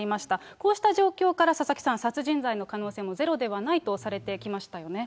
こうした状況から佐々木さん、殺人罪の可能性もゼロではないとさ